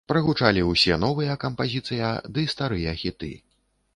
Прагучалі ўсе новыя кампазіцыя ды старыя хіты.